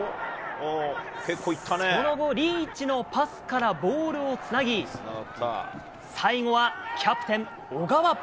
その後、リーチのパスからボールをつなぎ、最後はキャプテン、小川。